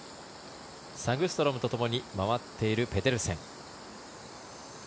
サグストロムとともに回っているペデルセン。